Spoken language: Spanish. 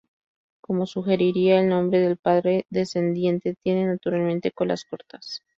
Como sugeriría el nombre del padre descendiente, tiene naturalmente colas cortas.